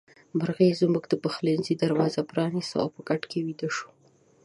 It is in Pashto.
مرغۍ زموږ د پخلنځي دروازه پرانيسته او په کټ کې ويده شوه.